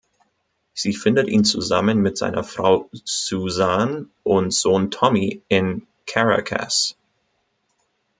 Sie findet ihn zusammen mit seiner Frau Suzan und Sohn Tommy in Caracas.